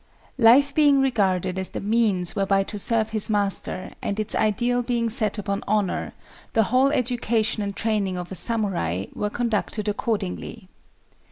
Life being regarded as the means whereby to serve his master, and its ideal being set upon honor, the whole EDUCATION AND TRAINING OF A SAMURAI, were conducted accordingly.